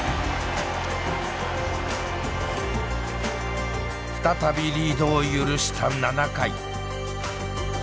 再びリードを許した７回。